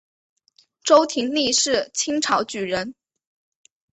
周廷励是清朝举人。